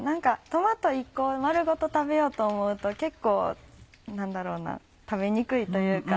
トマト１個を丸ごと食べようと思うと結構何だろうな食べにくいというか。